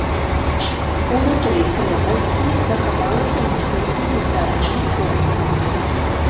Унутры крэпасці захавалася некалькі гістарычных помнікаў.